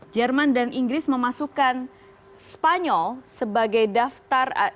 jerman dan inggris memasukkan spanyol sebagai daftar